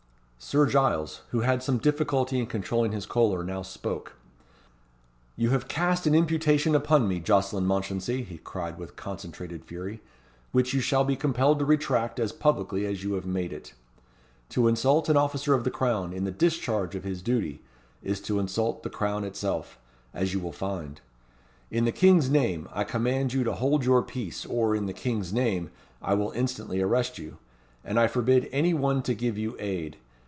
Sir Giles, who had some difficulty in controlling his choler, now spoke: "You have cast an imputation upon me, Jocelyn Mounchensey," he cried with concentrated fury, "which you shall be compelled to retract as publicly as you have made it. To insult an officer of the Crown, in the discharge of his duty, is to insult the Crown itself, as you will find. In the King's name, I command you to hold your peace, or, in the King's name, I will instantly arrest you; and I forbid any one to give you aid.